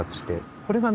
これがね